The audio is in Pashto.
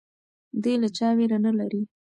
دی له چا ویره نه لري.